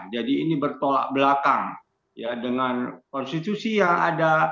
jadi ini bertolak belakang dengan konstitusi yang ada